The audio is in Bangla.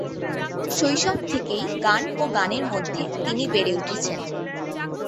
শৈশব থেকেই গান ও গানের মধ্যে তিনি বেড়ে উঠেছেন।